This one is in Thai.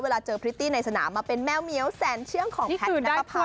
เจอพริตตี้ในสนามมาเป็นแมวเมียวแสนเชื่องของแพทย์นับประพา